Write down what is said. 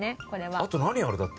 あと何ある？だって。